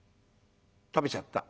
「食べちゃった」。